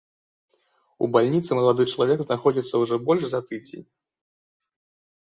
У бальніцы малады чалавек знаходзіцца ўжо больш за тыдзень.